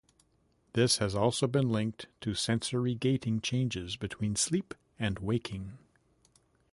This has also been linked to sensory gating changes between sleep and waking.